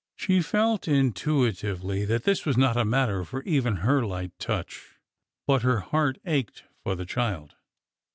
" She felt intuitively that this was not a matter for even her light touch. But her heart ached for the child.